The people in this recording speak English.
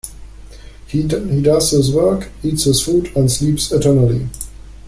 He does his work, eats his food, and sleeps eternally!